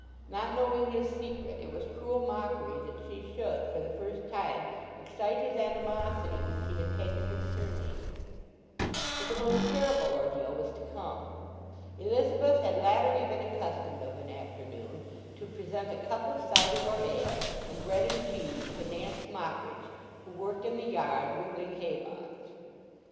Not knowing his secret it was cruel mockery that she should for the first time excite his animosity when she had taken his surname. But the most terrible ordeal was to come. Elizabeth had latterly been accustomed of an afternoon to present a cup of cider or ale and bread and cheese to Nance Mockridge, who worked in the yard wimbling hay bonds.